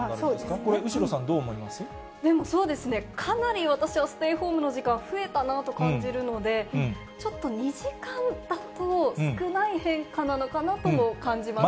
これ、後呂さん、どう思いまでもそうですね、かなり私はステイホームの時間、増えたなと感じるので、ちょっと２時間だと少ない変化なのかなとも感じます。